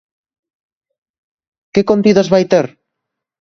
Que contidos vai ter?